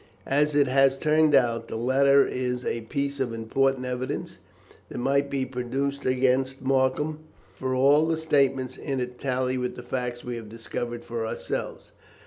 As it has turned out, the letter is a piece of important evidence that might be produced against Markham, for all the statements in it tally with the facts we have discovered for ourselves.